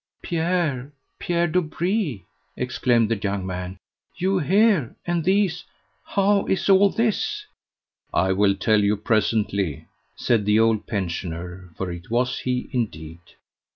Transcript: "Pierre Pierre Dobree!" exclaimed the young man; "you here and these how is all this?" "I will tell you presently," said the old pensioner, for it was he indeed.